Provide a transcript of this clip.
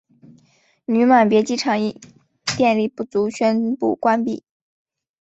女满别机场则因电力不足宣布关闭。